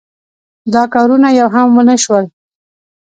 دا کارونه یو هم ونشول.